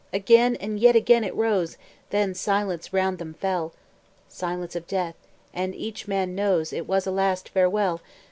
Again, and yet again it rose; Then silence round them fell Silence of death and each man knows It was a last farewell.